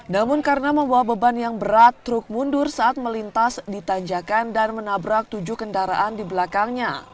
namun karena membawa beban yang berat truk mundur saat melintas ditanjakan dan menabrak tujuh kendaraan di belakangnya